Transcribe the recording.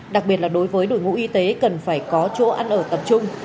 đặc biệt là đối với đội ngũ y tế cần phải có chỗ ăn ở tập trung